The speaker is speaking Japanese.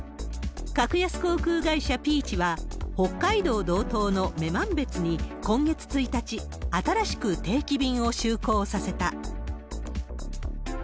格安航空会社ピーチは、北海道道東の女満別に、今月１日、新しく定期便を就航させた。